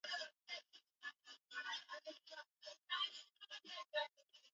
yanaendelea kutiririka kama kawaida